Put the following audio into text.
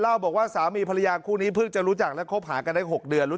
บอกว่าสามีภรรยาคู่นี้เพิ่งจะรู้จักและคบหากันได้๖เดือนรู้